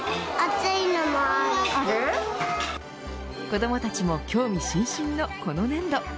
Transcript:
子どもたちも興味津々のこの粘土。